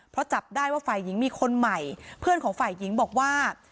เพราะจับได้ว่าฝ่ายหญิงมีคนใหม่เพื่อนของฝ่ายหญิงบอกว่า